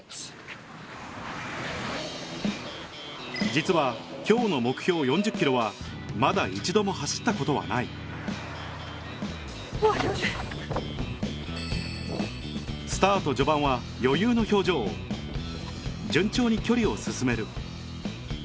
実は今日の目標４０ｋｍはまだ一度も走ったことはないスタート序盤は順調に距離を進める